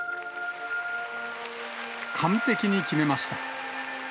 完璧に決めました。